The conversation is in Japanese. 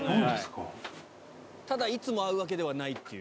いつも会うわけではないという。